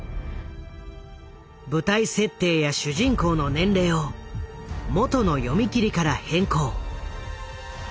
舞台設定や主人公の年齢をもとの読み切りから変更。